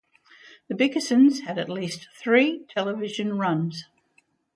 "The Bickersons" had at least three television runs.